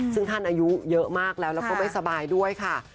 ซึ่งท่านอายุเยอะมากแล้วแล้วก็ไม่สบายด้วยค่ะ